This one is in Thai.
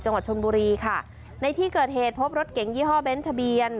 จังหวัดชนบุรีค่ะในที่เกิดเหตุพบรถเก๋งยี่ห้อเบ้นทะเบียน